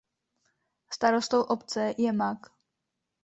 Starostou obce je Mag.